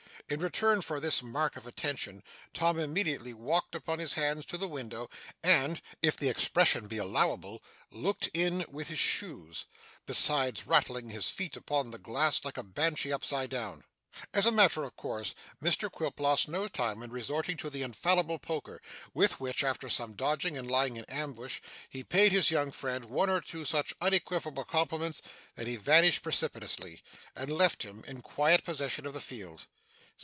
In return for this mark of attention, Tom immediately walked upon his hands to the window, and if the expression be allowable looked in with his shoes: besides rattling his feet upon the glass like a Banshee upside down. As a matter of course, Mr Quilp lost no time in resorting to the infallible poker, with which, after some dodging and lying in ambush, he paid his young friend one or two such unequivocal compliments that he vanished precipitately, and left him in quiet possession of the field.